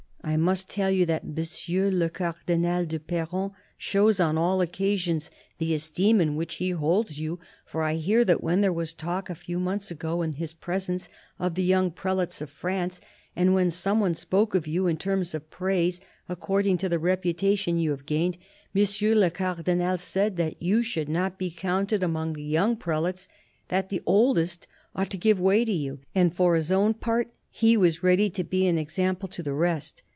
" I must tell you that M. le Cardinal du Perron shows on all occasions the esteem in which he holds you ; for I hear that when there was talk a few months ago, in his presence, of the young prelates of France, and when some one spoke of you in terms of praise, according to the reputation you have gained, M. le Cardinal said that you should not be counted among the young prelates, that the oldest ought to give way to you, and that for his own part he was ready to be an example to the rest.